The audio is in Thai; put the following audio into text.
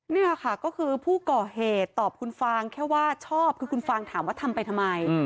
นี่ค่ะก็คือผู้ก่อเหตุตอบคุณฟางแค่ว่าชอบคือคุณฟางถามว่าทำไปทำไม